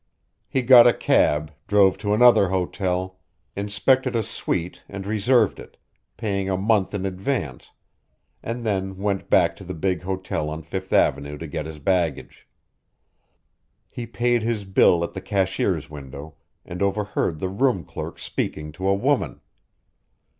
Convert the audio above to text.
He got a cab, drove to another hotel, inspected a suite and reserved it, paying a month in advance, and then went back to the big hotel on Fifth Avenue to get his baggage. He paid his bill at the cashier's window, and overheard the room clerk speaking to a woman.